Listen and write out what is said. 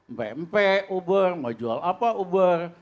mp mp uber mau jual apa uber